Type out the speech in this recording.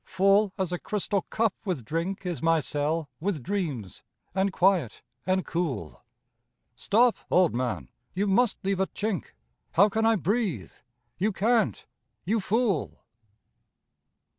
Full as a crystal cup with drink Is my cell with dreams, and quiet, and cool.... Stop, old man! You must leave a chink; How can I breathe? _You can't, you fool!